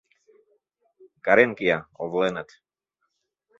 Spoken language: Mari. Карен кия: «Овленыт!»